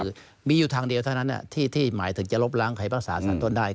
คือมีอยู่ทางเดียวเท่านั้นที่หมายถึงจะลบล้างใครรักษาสารต้นได้